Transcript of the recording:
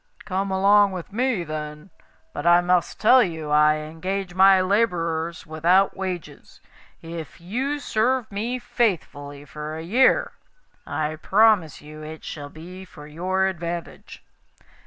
'Come along with me, then. But I must tell you I engage my labourers without wages. If you serve me faithfully for a year, I promise you it shall be for your advantage.